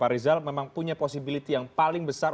rizal memang punya posibiliti yang paling besar